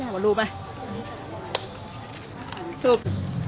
หัวรูป่ะถุบ